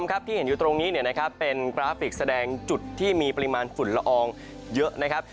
ครับที่เห็นอยู่ตรงนี้เป็นกราฟิกแสดงจุดที่มีปริมาณฝุ่นละอองเยอะนะครับ